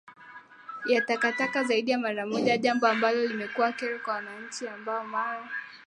ya takataka zaidi ya mara moja jambo ambalo limekuwa kero kwa wananchi ambao mara